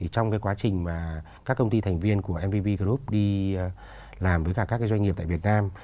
trong quá trình các công ty thành viên của mvv group đi làm với các doanh nghiệp tại việt nam